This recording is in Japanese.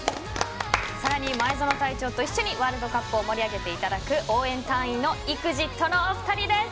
更に前園隊長と一緒にワールドカップを盛り上げていただく応援隊員のＥＸＩＴのお二人です。